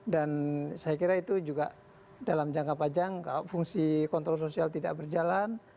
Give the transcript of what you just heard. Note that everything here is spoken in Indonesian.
dan saya kira itu juga dalam jangka panjang kalau fungsi kontrol sosial tidak berjalan